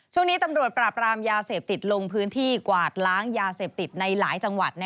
ช่วงนี้ตำรวจปราบรามยาเสพติดลงพื้นที่กวาดล้างยาเสพติดในหลายจังหวัด